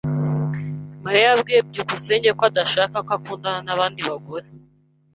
Mariya yabwiye byukusenge ko adashaka ko akundana nabandi bagore.